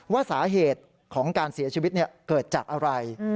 ว่าสาเหตุของการเสียชีวิตเกิดจากอะไร